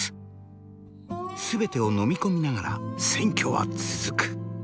全てをのみ込みながら選挙は続く。